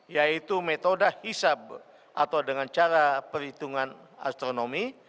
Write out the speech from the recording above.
yaitu metode hisab atau dengan cara perhitungan astronomi